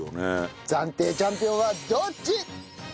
暫定チャンピオンはどっち！？